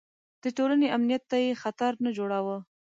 د ټولنې امنیت ته یې خطر نه جوړاوه.